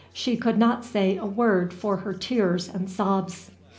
She could not say a word for her tears and sobs.